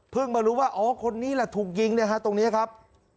มารู้ว่าอ๋อคนนี้แหละถูกยิงเนี่ยฮะตรงนี้ครับ